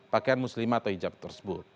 pakaian muslim atau hijab tersebut